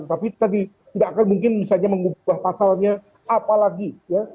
tapi tadi tidak akan mungkin misalnya mengubah pasalnya apalagi ya